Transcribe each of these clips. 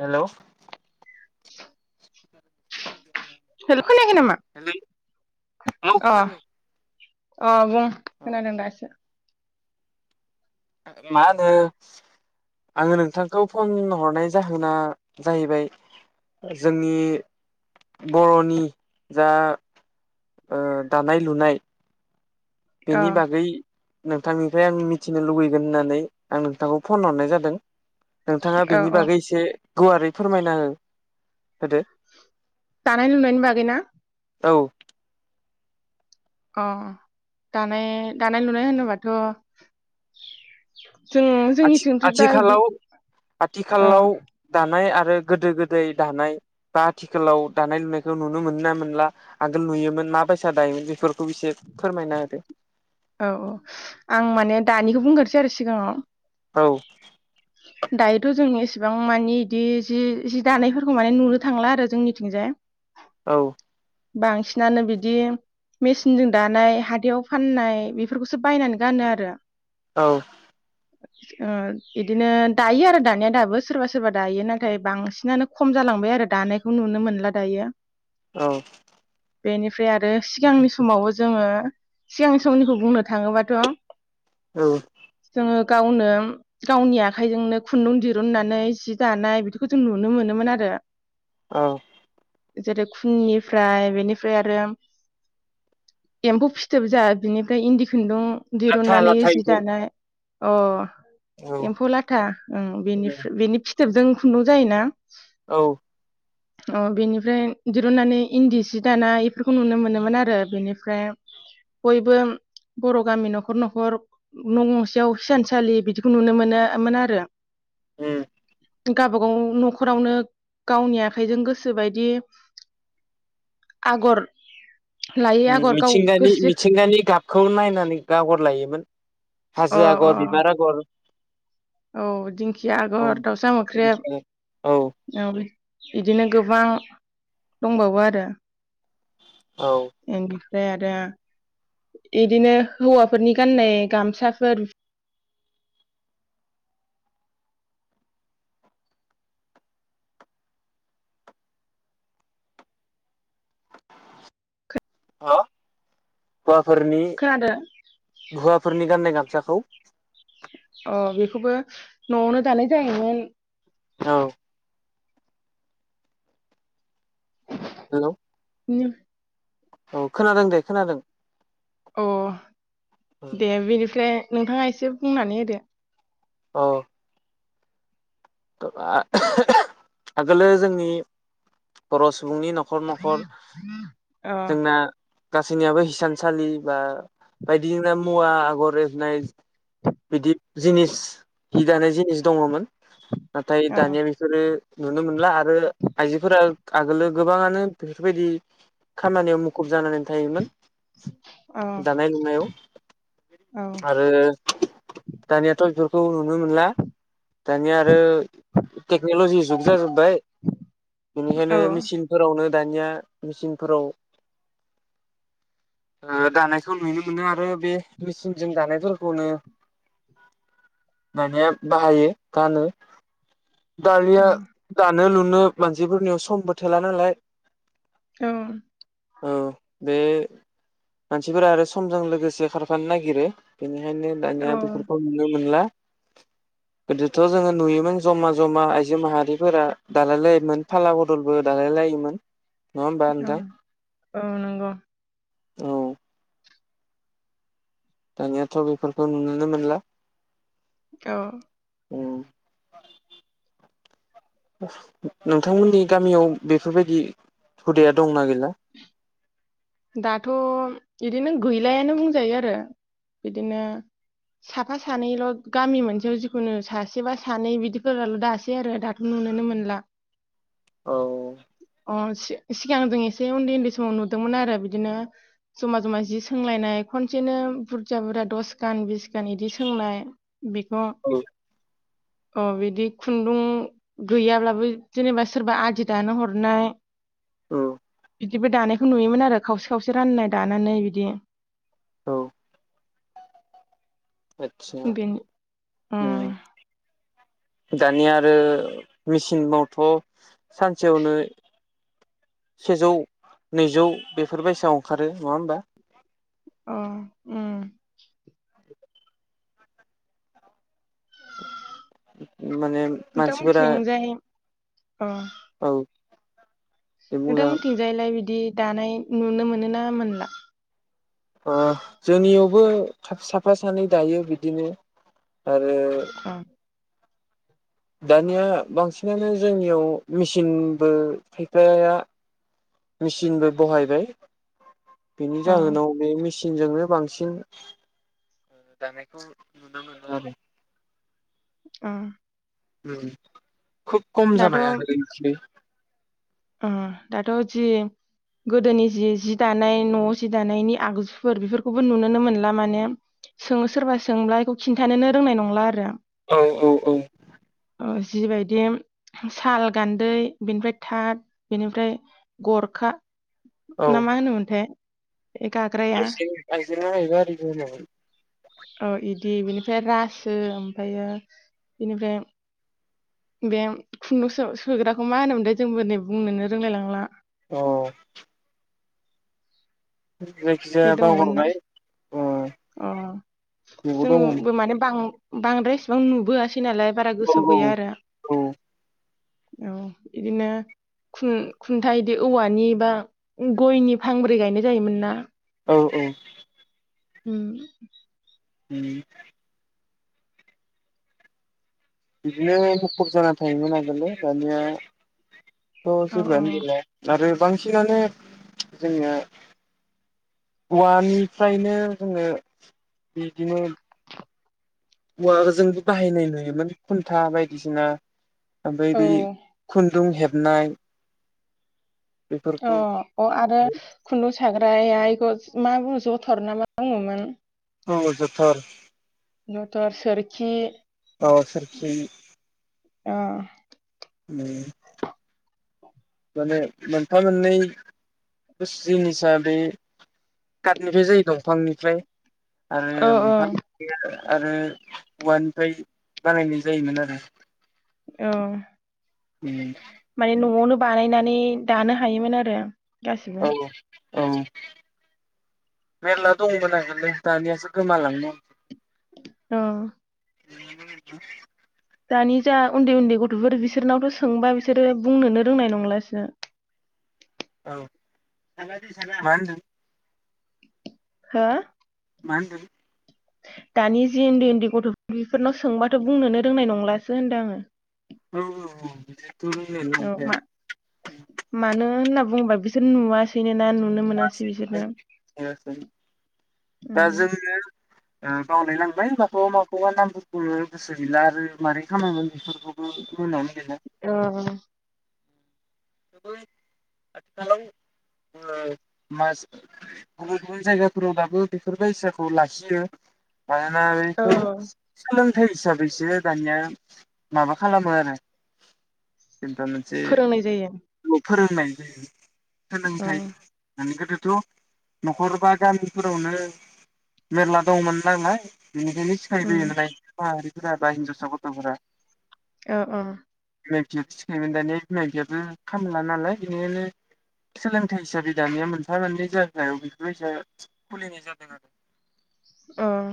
हेल' [inaudible] हेल' खोनायाखै नामा औ अ खोनादों। अ बुं खोनादों दासो मा होनो आङो नोंथांखौ फन हरनाय जाहोना जाहैबाय जोंनि बर'नि जा ओ दानाय लुनाय अ बेनि बागै नोंथांनिफ्राय आं मिथिनो लुबैगोन होननानै आं नोंथांखौ फन हरनाय जादों नोंथाङा औ बेनि औ बागै एसे गुवारै फोरमायना हो होदो दानाय लुनायनि बागैना औ अ दानाय दानाय लुनाय होनोबाथ' जों आथि जोंनिथिंथ' दा इदि आथिखालाव अ आथिखालाव दानाय आरो गोदो गोदाय दानाय बा आथिखालाव दानाय लुनायखौ नुनो मोन ना मोनला आगोल नुयोमोन मा बायसा दायोमोन बेफोर खौेएसे फोरमायना होदो औ औ आं माने दानिखौ बुंग्रोसै आरो सिगाङाव औ दायोथ' जों एसेबां माने इदि जि जि दानायफोरखौ माने नुनो थांला आरो जोंनिथिंजाय औ बांसिनानो बिदि मेसिनजों दानाय हाथायाव फाननाय बेफोरखौसो बायनानै गानो आरो औ ओ इदिनो दायो आरो दानिया दाबो सोरबा सोरबा दायो नाथाय बांसिनानो खम जालांबाय आरो दानायखौ नुनो मोनला दायो औ बेनिफ्राय आरो सिगांनि समावबो जोङो सिगांनि समनिखौ बुंनो थाङोबाथ' औ ङो गावनो गावनि आखाइजोंनो खुन्दुं दिरुननानै जि दानाय बिदिखौ जों नुनो मोनोमोन आरो औ जेरै खुननिफ्राय बेनिफ्राय आरो एम्फौ फिथोब जा बिनिफ्राय [unintelligible] खुन्दुं लाथा दिरुननानै लाथा जि एम्फौ दानाय अ औ एम्फौ लाथा ओं बेनि फिथोबजों खुन्दुं जायो ना औ अ बेनिफ्राय दिरुनन्नानै इन्दि सि दाना बेफोरखौ नुनो मोनोमोन आरो बेनिफ्राय बयबो बर' गामि न'खर न'खर न' गंसेयाव हिसानसालि बिदिखौ नुनो मोनोमोन आरो उम गावबा गाव न'खरावनो गावनि आखाइजों गोसोबायदि आगर लायै आगर गाव मिथिंगानि गोसो मिथिंगानि गाबखौ खौ नायनानै गागर लायोमोन अ हाजो अ आगर बिबार आगर औ दिंखिया औ आगर दाउसा औ मोख्रेब औ बिदिनो गोबां दंबावो आरो औ ओमफ्राय आरो इदिनो हौवाफोरनि गाननाय गामसाफोर हेल हुवाफोरनि खोनादों हुवाफोरनि गाननाय गान खोथाखौ अ बेखौबो न'आवनो दानाय जायोमोन औ हेलौ उनो [unintelligible] औ खोनादों दे खोनादों अ दे बिनिफ्राय नोंथाङा एसे बुंनानै होदो अ आगोलो जोंनि बर' सुबुंनि न'खर न'खर अ जोंना गासैनियाबो हिसानसालि बा बायदि मुवा आगर एरनाय बिदि जिनिस हि दानाय जि दङमोन नाथाइ अ दानिया बेफोरो नुनो मोनला आरो आइजोफोरा आगोलो गोबाङानो बेफोरबायदि खामानियाव मुखुब जानानै थायोमोन अ दानाय लुनायाव औ आरो दानियाथ' जु औ नुनो मोनला दानिया आरो टेकनलजि जुग जाजोबबाय औ बेनिखायनो मिसिनफोरावनो दानिया मेचिनफोराव ओ दानायखौ नुनो मोनो आरो बे मेचिनजों दानायफोरखौनो मानिया बाहायो गानो दालया औ द [unintelligible] दानो लुनो मानसिफोरनियाव सम बो थोला नालाय औ औ बे मानसिफोरा आरो समजों लोगोसे खारफानो नागिरो बेनिखायनो दानिया बेफोरखौ नुनो मोनला। गोदोथ' जोङो नुयोमोन जमा जमा आइजो माहारिफोरा दालाय लायोमोन फाला बदलबो दालाय लायोमोन नङा होमबा औ नोंथां औ नोंगौ औ दानियाथ' बेफोरखौ नुुनोनो मोनला औ अ । [inaudible] नोंथांमोननि गामियाव बेफोरबायदि हुदाया दं ना [unintelligible] दाथ' इदिनो गैलायानो बुंजायो आरो इदिनो साफा सानैल' गामि मोनसेयाव जिखुनु सासे बा सानै बिदिफोराल' दासै आरो दाथ' नुनोनो मोनला औ अ सि सिगां जों एसे उन्दै उन्दै समाव नुदोंमोन आरो बिदिनो जमा जमा जि सोंलायनाय खनसेनो बुरजा बुरजा दस गान बिस गान इदि सोंनाय बेखौ' औ अ बिदि खुन्दुं गैयाब्लाबो जेनेबा सोरबा आदि दानो हरनाय औ बिदिबो दानायखौ नुयोमोन आरो खावसे खावसे राननाय दानानै बिदि औ आदसा बेन उम दानिया आरो मिसिनावथ' सानसेयावनो सेजौ नैजौ बेफोरबायसा अंखारो। नङा होमबा? अ उम माने मानसिफोरा नोंथांमोनथिंजाय अ औ दे नोंथा बुंजागोन मोनथिंजायलाय बिदि दानाय नुनो मोनो ना मोनला ओ जोंनियावबो साफा सानै दायो बिदिनो आरो अ दानिया बांसिनानो जोंनियाव मेसिनबो खायफाया मेसिनबो बहायबाय बेनि अ जाहोनाव बे मेसि नजोंनो बांसिन दानायखौ नुनो मोनो आरो आ उम खुब खम जाबाय आरो एसे उ दाथ' जि गोदोनि जि जि दानाय न'आव जि दानायनि आगजुफोर बेफोरखौबो नुनोनो मोनला माने सोङो सोरबा सोंब्ला बेखौ खिन्थानोनो रोंनाय नंला आरो। औ औ औ ओ जिबायदि साल गान्दै बेनिफ्राय थाथ बेनिफ्राय गरखा ना मा होनोमोनथाय बे गाग्राया आयजें आयलाइरि गोमाबाय औ इदि बेनिफ्राय रासो ओमफ्रायो बेनिफ्राय बे खुन्दुं सो सोग्राखौ मा होनोमोन थाय जोंबो नै बुंनोनो रोंलायलांला औ बे जायखिजाया दंमोन ना बावहरबाय अ बेबो दङमोन जोंबो माने बां बांद्राय इसेबां नुबोया सै नालाय बारा गोसोआव औ गैया आरो औ औ बिदिनो खुन खुनथा इदि औवानि बा गयनि फांब्रै गायनाय जायोमोन ना औ औ उम उ बिदिनो मखब जाना थायोमोन आगोलो दानिया थ औ जेबोआनो गैला आरो बांसिनानो जोङो औवानिफ्रायनो जोङो बिदिनो औवाजोंबो बाहायनाय नुयोमोन खुनथा बायदिसिना ओमफ्राय औ बै खुन्दुं हेब नाय अ अ आरो खुन्दुं सागोन ओमफ्राय आइखौ मा बुङो जथर ना मा बुङोमोन औ जथर जथर सोरखि औ सोरखि आ उम माने मोनफा मोननै जिनिसा बे काटनिफ्राय जायो दंफांनिफ्राय औ आरो औ मोनफा बिदिनो आरो औवानिफ्राय बानायनाय जायोमोन आरो औ माने न'आवनो बानायनानै दानो हायोमोन आरो गासिबो औ औ ओम मेरला दंमोन आगोलनो दानियासो गोमालांनो अ [unintelligible] दानि जा उन्दै उन्दै गथ'फोर बिसोरनावथ' सोंबा बिसोरो बुंनोनो रोंनाय नंलासो औ [unintelligible] मा होनदों? हो मा होनदों दानि जि उन्दै उन्दै गथ'फोर बेफोरनाव सोंबाथ' बुंनोनो रोंनाय नंलासो होनदो आङो औ नंगौ जेबबो रोंनायनो औ नंखाया [unintelligible] बुंबा बिसोर नुवासैनो ना नुनो मोनासै बिसोरनो नंखाया। दा उम जोङो ओ बावलायलांबाय माखौबा माखौबा नामफोरखौनो गोसो गैला आरो मारै खामोमोन बेफोरखौबो मोनावनो गैला ओ आथिखालाव ओ माजो गुबुन गुबुन जायगाफोराव दाबो बेफोर बायसाखौ लाखियो मानोना औ ओइखौ सो सोलों थाइ हिसाबैसो दानिया माबा खालामो आरो जों दा मोनसे फोरोंनाय जायो फोरोंनाय जायो ओ सोलोंथाइ माने गोदो थ' न'खर बा गामिफोरावनो मेरला दंमोन नालाय बिनिखायनो उम सिखायबोयो [unintelligible] आरो फोरा बा हिनजावसा गथ' फोरा ओ अ बिमा -बिफाया सिखायोमोन दाना बिमा बिफायाबो खामला नालाय बेनिखायनो सोलोंथाइ हिसाबै दानिया मोनफा मोननै जाहोनायाव बेफोर बायसा खुलिनाय जादों आरो ओं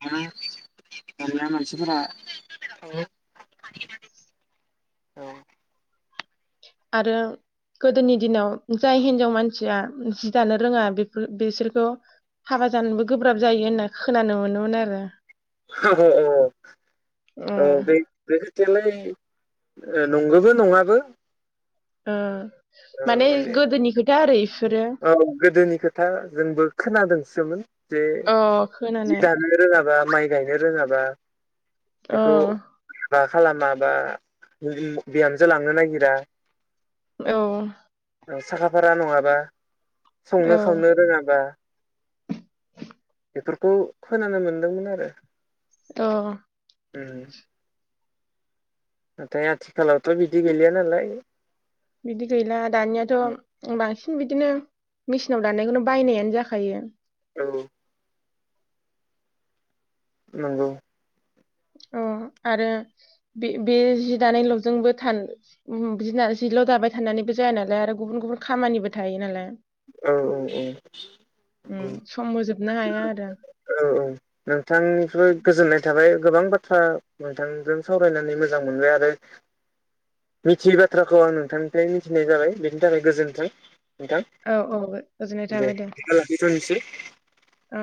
[unintelligible] दानिया मानसिफोरा [unintelligible] औ आरो गोदोनि दिनाव जाय हिनजाव मानसिया जि दानो रोङा बेफोर बिसोरखौ हाबा जानोबो गोब्राब जायो होनना खोनानो मोनोमोन आरो। औ औ औ ओ उम बे बे खोथायालाय ओ नंगोबो नङाबो ओ औ माने गोदोनि खोथा आरो इफोरो औ गोदोनि खोथा जोंबो खोनादों [unintelligible] जे अ जि खोनानाय दानो रोङाबा माइ गायनो रोङाबा अ बेखौ [unintelligible] खालामा बा बिहामजो लांनो नागिरा औ साखाफारा नङाबा संनो औ खावनो रोङाबा बेफोरखौ खोनानो मोनदोंमोन आरो अ ओम नाथाय आथिखालावथ' बिदि गैलिया नालाय बिदि गैला दानियाथ' बांसिन बिदिनो मेसिनाव दानायखौनो बायनायानो जाखायो औ नंगौ अ आरो बे बे जि दानायल'जोंबो था जिल' दाबाय थानानैबो जाया नालाय आरो गुबुन गुबुन खामानिबो थायो नालाय औ औ औ औ [unintelligible] उम सम होजोबनो हाया आरो औ औ नोंथांनिफ्राय गोजोननाय थाब [unintelligible] गोबां बाथ्रा नोंथांजों सावरायनानै मोजां मोनबाय आरो मिथियै बाथ्राखौ आं नोंथांनिफ्राय मिथिनाय जाबाय बेनि थाखाय गोजोन्थों नोंथां औ औ गोजोननाय दे [unintelligible] लाखिथ'सै ओ